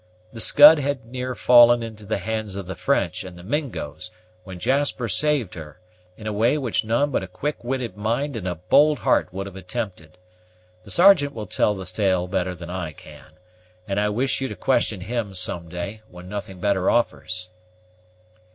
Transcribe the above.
The Scud had near fallen into the hands of the French and the Mingos, when Jasper saved her, in a way which none but a quick witted mind and a bold heart would have attempted. The Sergeant will tell the tale better than I can, and I wish you to question him some day, when nothing better offers."